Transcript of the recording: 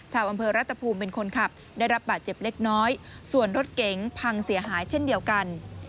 ชาวอำเภอรัฐภูมิเป็นคนขับได้รับบาดเจ็บเล็กน้อยส่วนรถเก๋งพังเสียหายเช่นเดียวกัน